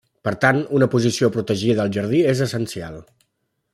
Per tant, una posició protegida al jardí és essencial.